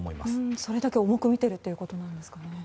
それだけ重く見ているということなんでしょうか。